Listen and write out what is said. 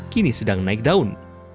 kini sedang naik daun